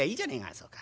「そうか。